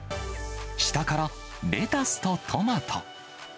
下からレタスとトマト。